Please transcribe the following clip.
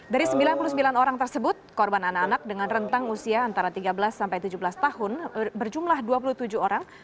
dari sembilan puluh sembilan orang tersebut korban anak anak dengan rentang usia antara tiga belas sampai tujuh belas tahun berjumlah dua puluh tujuh orang